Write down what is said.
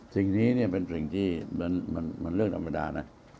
สิ่งนี้เนี่ยเป็นสิ่งที่มันเรื่องธรรมดานะ